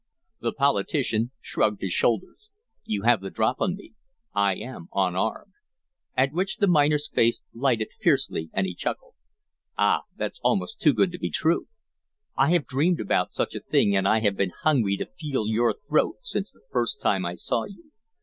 The politician shrugged his shoulders. "You have the drop on me. I am unarmed." At which the miner's face lighted fiercely and he chuckled. "Ah, that's almost too good to be true. I have dreamed about such a thing and I have been hungry to feel your throat since the first time I saw you.